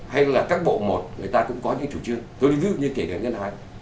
hay là các bộ một người ta cũng có những chủ trương tôi lấy ví dụ như kể cả ngân hàng